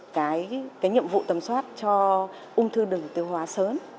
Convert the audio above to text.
cái nhiệm vụ tầm soát cho ung thư đường tiêu hóa sớm